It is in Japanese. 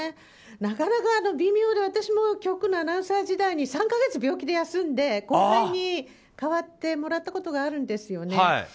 なかなか微妙で私も局のアナウンサー時代に３か月病気で休んで後輩に代わってもらったことがあるんですよね。